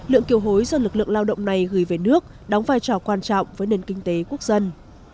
lượng kiều hối do lực lượng lao động này gửi về nước đóng vai trò quan trọng với nền kinh tế quốc dân